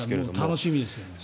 楽しみですね。